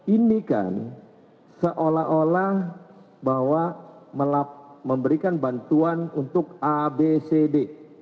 ini kan seolah olah bahwa memberikan bantuan untuk abcd